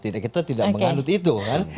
kita tidak menganut itu kan